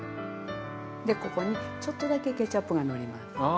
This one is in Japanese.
でここにちょっとだけケチャップがのります。